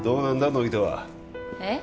乃木とはえっ？